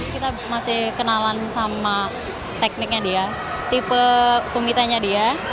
kita masih kenalan sama tekniknya dia tipe kumitanya dia